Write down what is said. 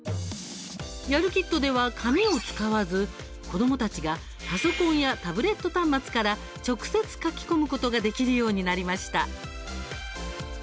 「やるキット！」では紙を使わず子どもたちが、パソコンやタブレット端末から直接、書き込むことができるようになりました。